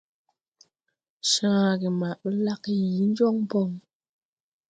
Cããge ma ɓlagge yii jɔŋ bɔŋ.